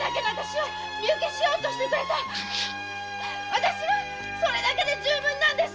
私はそれだけで十分なんです